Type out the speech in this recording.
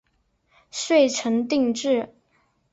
遂成定制。